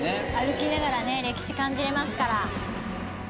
歩きながらね歴史感じれますから。